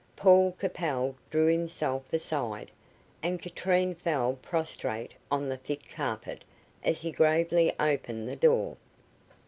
Paul Capel drew himself aside, and Katrine fell prostrate on the thick carpet, as he gravely opened the door.